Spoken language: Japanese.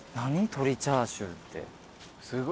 鶏チャーシューって。